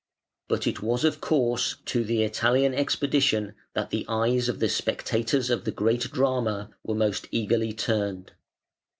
But it was of course to the Italian expedition that the eyes of the spectators of the great drama were most eagerly turned.